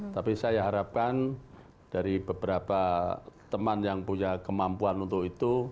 tapi saya harapkan dari beberapa teman yang punya kemampuan untuk itu